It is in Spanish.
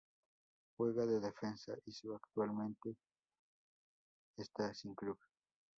Juega de defensa y su actualmente está sin club.